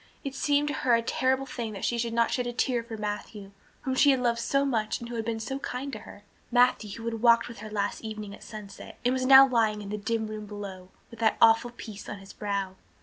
It seemed to her a terrible thing that she could not shed a tear for Matthew, whom she had loved so much and who had been so kind to her, Matthew who had walked with her last evening at sunset and was now lying in the dim room below with that awful peace on his brow.